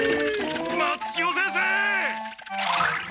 松千代先生！